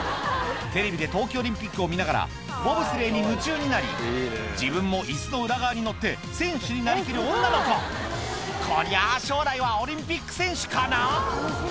テレビで冬季オリンピックを見ながらボブスレーに夢中になり自分も椅子の裏側に乗って選手になりきる女の子こりゃ将来はオリンピック選手かな？